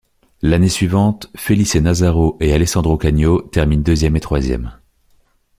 L'année suivante Felice Nazzaro et Alessandro Cagno terminent deuxième et troisième.